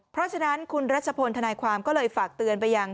เพราะฉะนั้นคุณรัชพลธนายความก็เลยฝากเตือนไปยัง